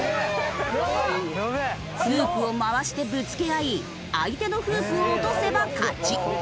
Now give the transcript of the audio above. フープを回してぶつけ合い相手のフープを落とせば勝ち。